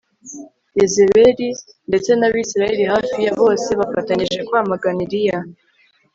Yezebeli ndetse nAbisirayeli hafi ya bose bafatanyije kwamagana Eliya